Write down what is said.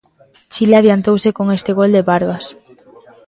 Chile adiantouse con este gol de Vargas.